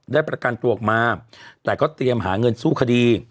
ประกันตัวออกมาแต่ก็เตรียมหาเงินสู้คดี